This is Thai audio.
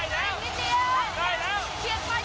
ได้แถวนี้